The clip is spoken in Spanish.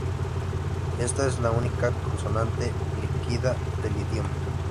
Esta es la única consonante líquida del idioma.